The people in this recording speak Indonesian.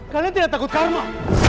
kalian tidak takut karma